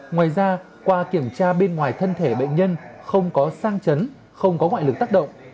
ngoài ra qua kiểm tra bên ngoài thân thể bệnh nhân không có sang chấn không có ngoại lực tác động